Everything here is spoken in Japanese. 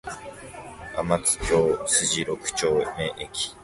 天津橋筋六丁目駅